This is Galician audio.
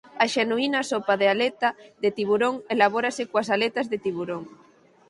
A xenuína sopa de aleta de tiburón elabórase coas aletas de tiburón.